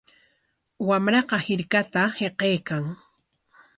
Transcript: Wamraqa hirkata hiqaykan.